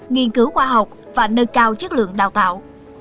nghiên cứu khoa học và nâng cao chất lượng đào tạo